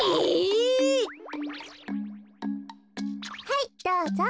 はいどうぞ。